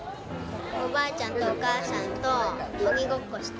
おばあちゃんとお母さんと鬼ごっこした。